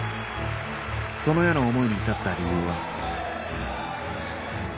そのような思いに至った理由は